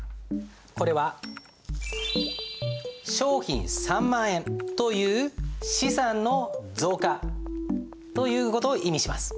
これは商品３万円という資産の増加という事を意味します。